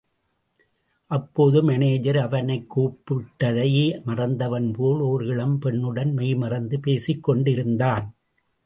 அப்போது, மானேஜர், அவனைக் கூப்பிட்டதை மறந்தவன்போல், ஒரு இளம் பெண்ணுடன் மெய்மறந்து பேசிக் கொண்டிருந்தான்.